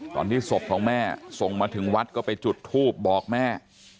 ตอนที่ศพของแม่ส่งมาถึงวัดก็ไปจุดทูบบอกแม่